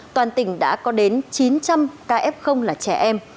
toàn tỉnh đã có đến chín trăm linh ca f là trẻ em